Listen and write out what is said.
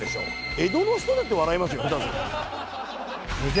江戸の人だって笑いますよ下手すると。